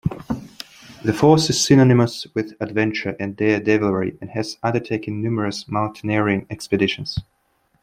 The force is synonymous with adventure and dare-devilry and has undertaken numerous mountaineering expeditions.